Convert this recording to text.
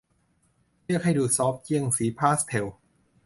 เรียกให้ดูซอฟต์เยี่ยงสีพาสเทล